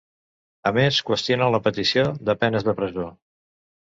A més, qüestionen la petició de penes de presó.